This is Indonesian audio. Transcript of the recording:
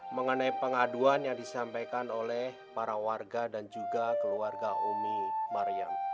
mengenai pengaduan yang disampaikan oleh para warga dan juga keluarga umi mariam